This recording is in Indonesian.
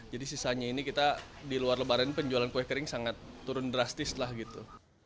jadi sisanya ini kita di luar lebaran penjualan kue kering sangat turun drastis lah gitu